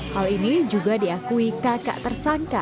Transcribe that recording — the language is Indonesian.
hal ini juga diakui kakak tersangka